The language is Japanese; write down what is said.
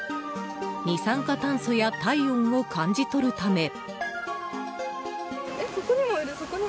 二酸化炭素や体温を感じとるため。